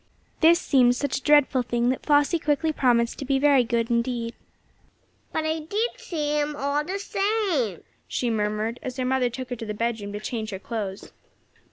This seemed such a dreadful thing, that Flossie quickly promised to be very careful indeed. "But I did see him, all the same!" she murmured, as her mother took her to the bedroom to change her clothes.